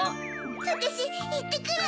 あたしいってくる！